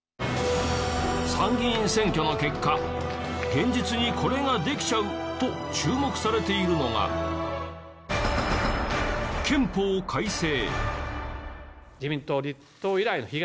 参議院選挙の結果現実にこれができちゃうと注目されているのが、憲法改正。